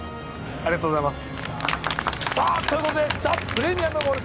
ありがとうございます